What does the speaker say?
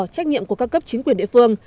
trách nhiệm của các cấp chính quyền địa phương